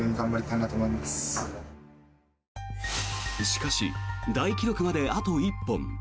しかし、大記録まであと１本。